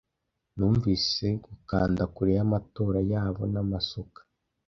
Numvise gukanda kure y'amatora yabo n'amasuka,